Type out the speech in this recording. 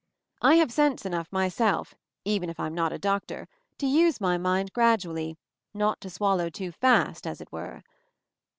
I have sense enough myself, even if I'm not a doctor, to use my mind gradually, not to swallow too fast, as it were.